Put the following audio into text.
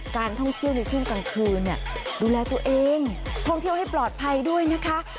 การท่องเที่ยวในช่วงกลางคืนดูแลตัวเองท่องเที่ยวให้ปลอดภัยด้วยนะคะ